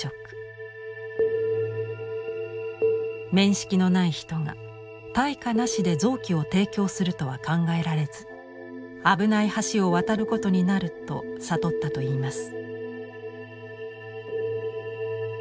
面識のない人が対価なしで臓器を提供するとは考えられず危ない橋を渡ることになると悟ったといいます。